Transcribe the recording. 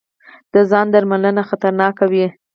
د ځاندرملنه خطرناکه وي.